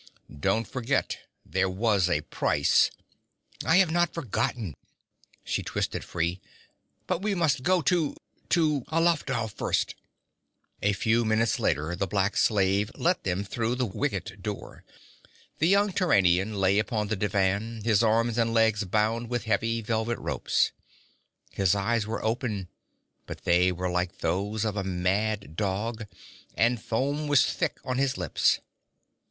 'Don't forget there was a price ' 'I have not forgotten!' She twisted free. 'But we must go to to Alafdhal first!' A few minutes later the black slave let them through the wicket door. The young Turanian lay upon the divan, his arms and legs bound with heavy velvet ropes. His eyes were open, but they were like those of a mad dog, and foam was thick on his lips.